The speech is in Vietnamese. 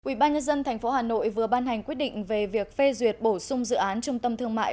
quỹ ban nhân dân thành phố hà nội vừa ban hành quyết định về việc phê duyệt bổ sung dự án trung tâm thương mại